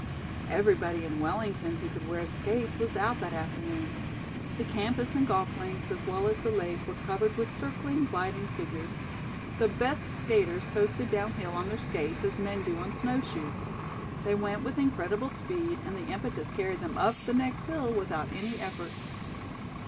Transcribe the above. Everybody in Wellington who could wear skates was out that afternoon. The campus and golf links, as well as the lake, were covered with circling, gliding figures. The best skaters coasted down hill on their skates, as men do on snow shoes. They went with incredible speed and the impetus carried them up the next hill without any effort.